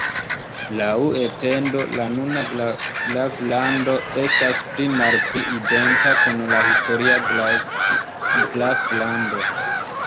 Laŭ etendo la nuna graflando estas pli malpli identa kun la historia graflando.